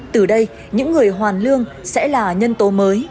từ đây những người hoàn lương sẽ là nhân tố mới